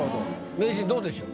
名人どうでしょう？